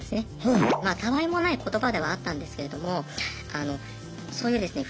まあたあいもない言葉ではあったんですけれどもそういうですね